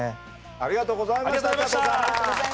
ありがとうございましたチャトさん。